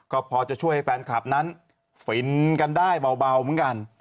ก็พอจะช่วยให้แฟนคลับนั้นฟินกันได้เบาเหมือนกัน